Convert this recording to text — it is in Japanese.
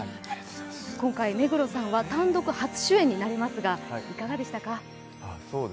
今回目黒さんは単独初主演になりますが、いかがでしたか？